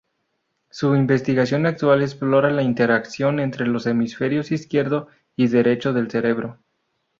Su investigación actual explora la interacción entre los hemisferios izquierdo y derecho del cerebro.